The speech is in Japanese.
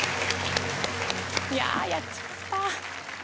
いややっちまった。